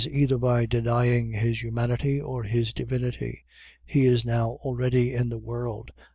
either by denying his humanity, or his divinity. He is now already in the world.